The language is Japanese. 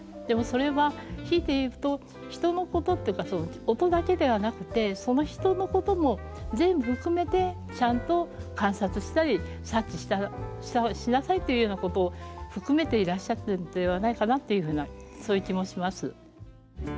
でもそれはひいていうと人のことっていうか音だけではなくてその人のことも全部含めてちゃんと観察したり察知しなさいというようなことを含めていらっしゃったんではないかなっていうふうなそういう気もします。